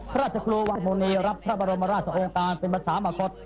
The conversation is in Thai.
พระราชครูวามเทพมุณีรับพระบรมราชองการเป็นภาษามากศตร์